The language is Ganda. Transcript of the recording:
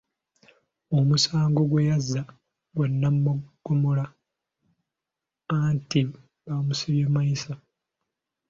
Omusango gwe yazza gwa nagomola anti bamusibye mayisa.